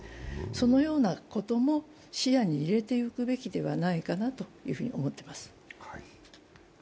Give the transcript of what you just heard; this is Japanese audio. そのようなことも視野に入れていくべきではないかなと思っています。